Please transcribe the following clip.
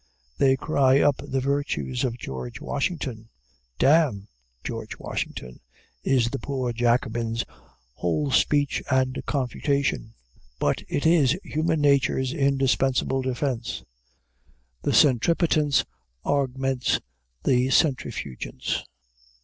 They cry up the virtues of George Washington "Damn George Washington!" is the poor Jacobin's whole speech and confutation. But it is human nature's indispensable defense. The centripetence augments the centrifugence.